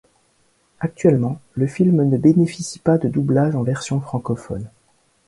Actuellement, le film ne bénéficie pas de doublage en version francophone.